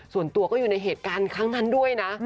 ส่วนตัวก็อยู่ในเหตุการณ์ครั้งนั้นด้วยนะ